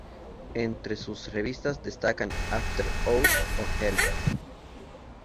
Entre sus revistas destacan "After Hours" o "Help!